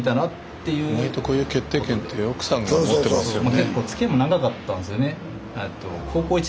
意外とこういう決定権って奥さんが持ってますよね。